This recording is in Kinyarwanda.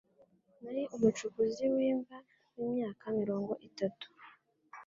Nari umucukuzi w'imva wimyaka mirongo itatu.